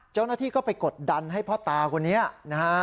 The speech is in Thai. เจ้าหน้าที่ก็ไปกดดันให้พ่อตาคนนี้นะฮะ